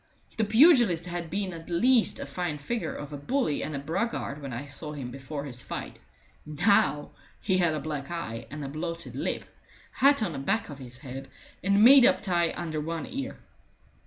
The pugilist had been at least a fine figure of a bully and a braggart when I saw him before his fight; now he had a black eye and a bloated lip, hat on the back of his head, and made up tie under one ear.